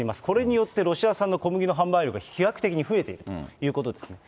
これによって、ロシア産の小麦の販売量が飛躍的に増えているということです。